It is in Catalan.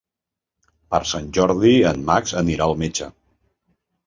Per Sant Jordi en Max irà al metge.